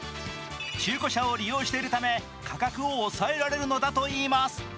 中古車を利用しているため価格を抑えられるのだといいます。